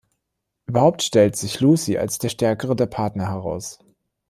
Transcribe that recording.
Überhaupt stellt sich Lucy als der stärkere der Partner heraus.